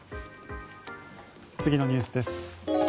次のニュースです。